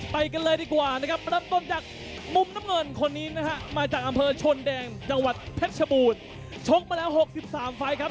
ไปกันเลยดีกว่านะครับเริ่มต้นจากมุมน้ำเงินคนนี้นะฮะมาจากอำเภอชนแดงจังหวัดเพชรชบูรณ์ชกมาแล้ว๖๓ไฟล์ครับ